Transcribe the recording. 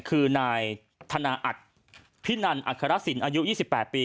คือนายธนาอัดพินันอัครสินอายุ๒๘ปี